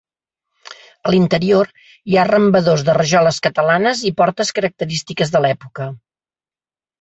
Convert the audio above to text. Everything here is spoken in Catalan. A l'interior hi ha arrambadors de rajoles catalanes i portes característiques de l'època.